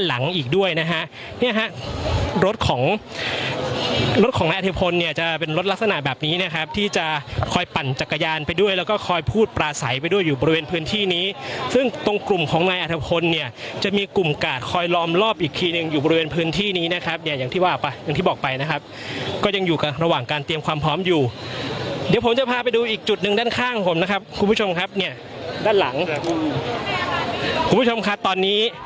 หลังอีกด้วยนะฮะเนี่ยฮะรถของรถของนายอาธิพลเนี่ยจะเป็นรถลักษณะแบบนี้นะครับที่จะคอยปั่นจักรยานไปด้วยแล้วก็คอยพูดปลาใสไปด้วยอยู่บริเวณพื้นที่นี้ซึ่งตรงกลุ่มของนายอาธิพลเนี่ยจะมีกลุ่มกาดคอยลอมรอบอีกทีหนึ่งอยู่บริเวณพื้นที่นี้นะครับเนี่ยอย่างที่ว่าป่ะอย่างที่บอกไปนะครับก็ย